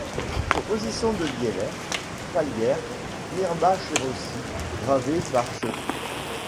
Compositions de Bieler, Falguière, Myrbach et Rossi, gravées par Ch.